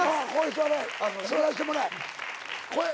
座らせてもらえ。